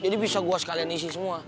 jadi bisa gue sekalian isi semua